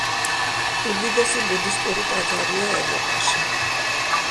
უდიდესი ბუდისტური ტაძარია ევროპაში.